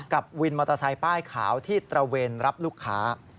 วินมอเตอร์ไซค์ป้ายขาวที่ตระเวนรับลูกค้า